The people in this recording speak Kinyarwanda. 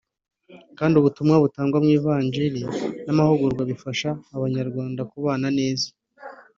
kandi ubutumwa butangwa mu ivanjili n’amahugurwa bifasha Abanyarwanda kubana neza